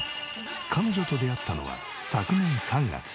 彼女と出会ったのは昨年３月。